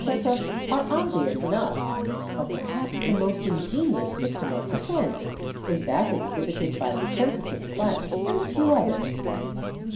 (see page 190), are obvious enough, but perhaps the most ingenious system of defence is that exhibited by the Sensitive Plant and a few others.